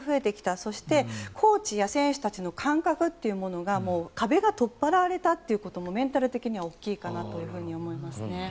そしてコーチや選手の感覚というものが壁が取っ払われたということもメンタル的には大きいかなと思います。